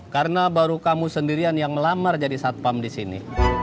karena baru kamu sendirian yang melamar jadi satpam disini